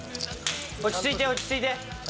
落ち着いて落ち着いて。